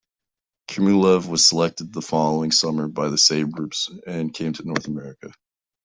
Khmylev was selected the following summer by the Sabres and came to North America.